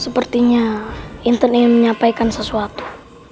sepertinya inten ingin menyampaikan sesuatu